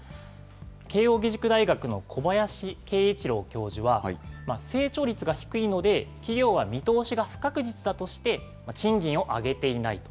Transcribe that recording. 慶應義塾大学の小林慶一郎教授は、成長率が低いので、企業は見通しが不確実だとして、賃金を上げていない。